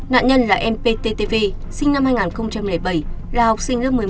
nạn nhân là mpttv sinh năm hai nghìn bảy là học sinh lớp một mươi một